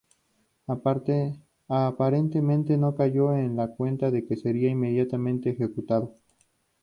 Aparentemente no cayó en la cuenta de que sería inmediatamente ejecutado.